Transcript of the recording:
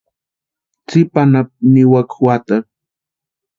Tsipa anapu niwaka juatarhu.